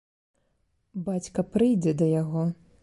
Бацька прыйдзе да яго.